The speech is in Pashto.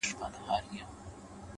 حالات چي سوزوي _ ستا په لمن کي جانانه _